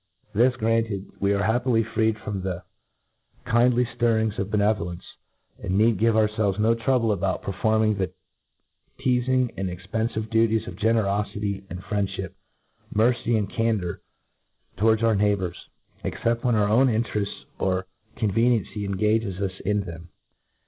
This granted, we are happily freed from the kindly ftirrings of benevolence, and need give ourfelves no trouble about performing the tea fmg and expenfive duties of generolity and friendfliip, mercy and candour, towards our neighbours except when our own intcrefl or conveniency engages us in them.